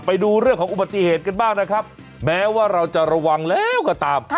ไปดูเรื่องของอุบัติเหตุกันบ้างนะครับแม้ว่าเราจะระวังแล้วก็ตาม